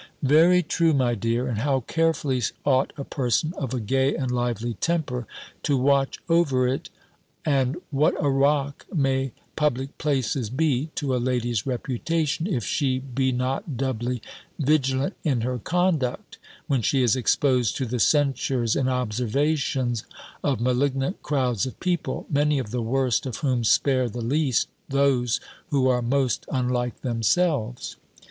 "Very true, my dear; and how carefully ought a person of a gay and lively temper to watch over it I And what a rock may public places be to a lady's reputation, if she be not doubly vigilant in her conduct, when she is exposed to the censures and observations of malignant crowds of people; many of the worst of whom spare the least those who are most unlike themselves."